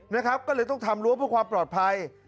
นะครับก็เลยต้องทำรั้วเพื่อความปลอดภัย